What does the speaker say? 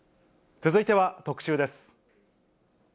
続いては特集です。